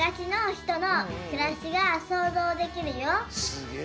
すげえ！